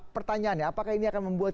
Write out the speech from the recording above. pertanyaan ya apakah ini akan membuat